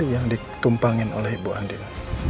yang ditumpangin oleh ibu andi